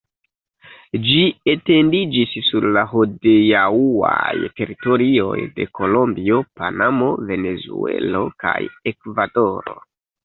Ĝi etendiĝis sur la hodiaŭaj teritorioj de Kolombio, Panamo, Venezuelo kaj Ekvadoro.